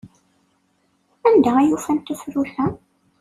Anda ay ufan tafrut-a?